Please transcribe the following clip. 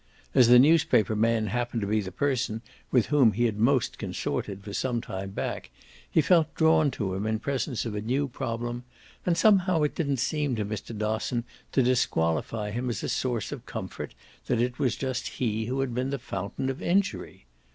As the newspaper man happened to be the person with whom he had most consorted for some time back he felt drawn to him in presence of a new problem, and somehow it didn't seem to Mr. Dosson to disqualify him as a source of comfort that it was just he who had been the fountain of injury.